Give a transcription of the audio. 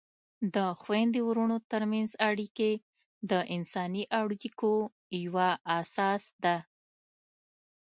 د خویندو ورونو ترمنځ اړیکې د انساني اړیکو یوه اساس ده.